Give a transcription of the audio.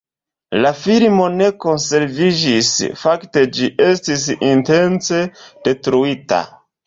La filmo ne konserviĝis, fakte ĝi estis intence detruita.